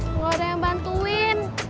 tidak ada yang bantuin